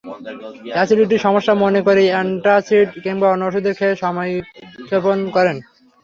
অ্যাসিডিটির সমস্যা মনে করে অ্যান্টাসিড কিংবা অন্য ওষুধ খেয়ে সময়ক্ষেপণ করেন।